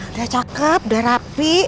udah cakep udah rapi